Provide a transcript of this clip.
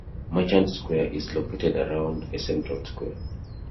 Merchant Square is located around a central square.